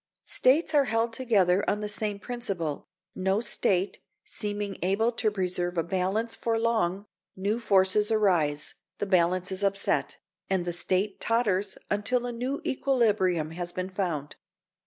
States are held together on the same principle, no State seeming able to preserve a balance for long; new forces arise, the balance is upset, and the State totters until a new equilibrium has been found.